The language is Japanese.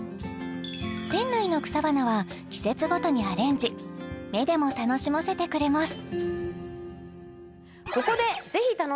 店内の草花は季節ごとにアレンジ目でも楽しませてくれます